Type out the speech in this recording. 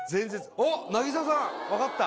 おっなぎささん分かった。